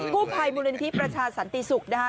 ผู้ภัยมูลนิธิประชาสันติศุกร์นะคะ